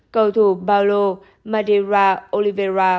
cầu thủ paulo madeira oliveira